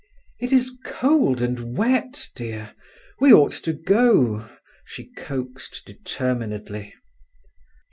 "It is cold and wet, dear; we ought to go," she coaxed determinedly.